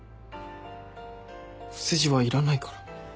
お世辞はいらないから。